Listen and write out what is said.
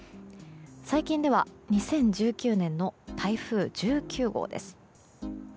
最近では２０１９年の台風１９号です。